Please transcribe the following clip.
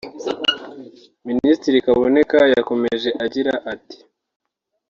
Minisitiri Kaboneka yakomeje agira ati